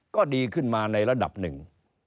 ก็ดีขึ้นมาในระดับหนึ่ง